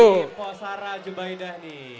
ini mpok sara jubaydah nih